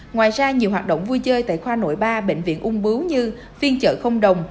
ngoài ra nhiều hoạt động vui chơi tại khoa nội ba bệnh viện ung bướu như phiên chợ không đồng